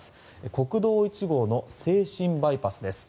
国道１号の静清バイパスです。